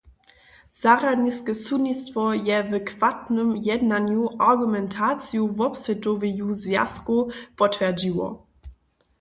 Zarjadniske sudnistwo je w chwatnym jednanju argumentaciju wobswětoweju zwjazkow potwjerdźiło.